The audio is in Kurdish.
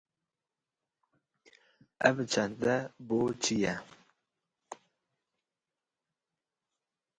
Ev çente boçî ye